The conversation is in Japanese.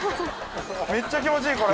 めっちゃ気持ちいいこれ。